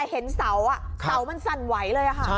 แต่เห็นเสาอ่ะเสามันสั่นไหวเลยค่ะ